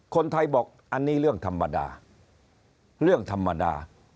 คนไทยบอกอันนี้เรื่องธรรมดาเรื่องธรรมดา